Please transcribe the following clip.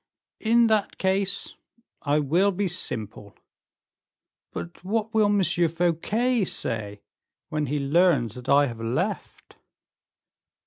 "In that case, I will be simple. But what will M. Fouquet say, when he learns that I have left?"